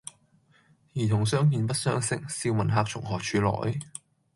兒童相見不相識，笑問客從何處來？